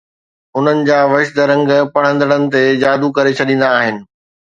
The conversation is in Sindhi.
انهن جا وشد رنگ پڙهندڙ تي جادو ڪري ڇڏيندا آهن